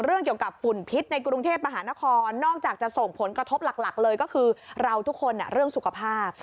เกี่ยวกับฝุ่นพิษในกรุงเทพมหานครนอกจากจะส่งผลกระทบหลักเลยก็คือเราทุกคนเรื่องสุขภาพ